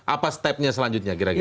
apa stepnya selanjutnya kira kira